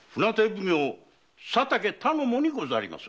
奉行佐竹頼母にございます。